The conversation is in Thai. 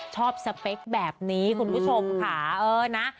สเปคแบบนี้คุณผู้ชมค่ะเออนะ